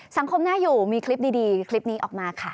น่าอยู่มีคลิปดีคลิปนี้ออกมาค่ะ